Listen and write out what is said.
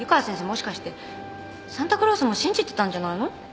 もしかしてサンタクロースも信じてたんじゃないの？